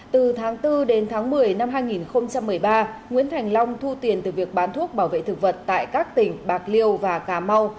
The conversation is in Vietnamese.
từ tháng bốn đến tháng một mươi năm hai nghìn một mươi ba nguyễn thành long thu tiền từ việc bán thuốc bảo vệ thực vật tại các tỉnh bạc liêu và cà mau